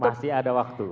masih ada waktu